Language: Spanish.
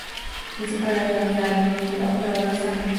La principal aerolínea, Air Iceland, opera vuelos a Reikiavik.